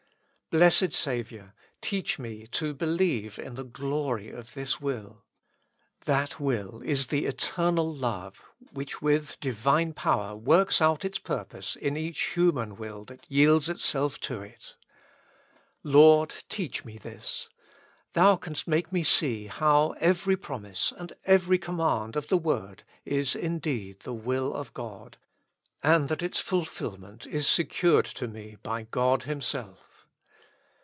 Blessed Saviour ! teach me to believe in the glory of this will. That will is the eternal love, which with Divine power works out its purpose in each human will that yields itself to it. Lord ! teach me this. Thou canst make me see how every promise and every command of the word is indeed the will of God, and that its fulfilment is secured to me by God Himself.